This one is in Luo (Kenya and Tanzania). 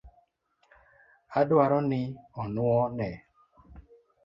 Odwaro ni onuo ne